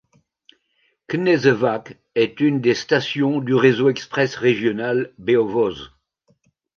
Kneževac est une des stations du réseau express régional Beovoz.